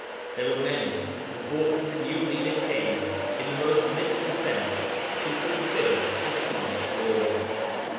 There were many who thought that the new leader came, in the most literal sense, to fulfil the Islamic Law.